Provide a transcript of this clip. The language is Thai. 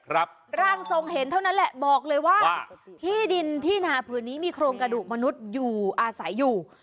ร่างทรงเห็นเท่านั้นแหละบอกเลยว่าที่ดินที่นาผืนนี้มีโครงกระดูกมนุษย์อยู่อาศัยอยู่